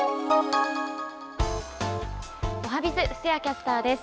おはＢｉｚ、布施谷キャスターです。